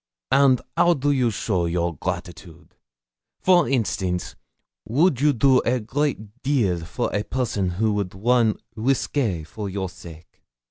'And how do you show your gratitude? For instance, would a you do great deal for a person who would run risque for your sake?'